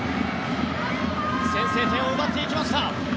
先制点を奪っていきました。